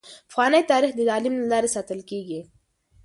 پخوانی تاریخ د تعلیم له لارې ساتل کیږي.